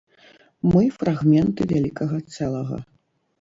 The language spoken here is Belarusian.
Мы фрагменты вялікага цэлага.